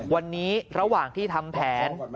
วันนี้ระหว่างที่ทำแผน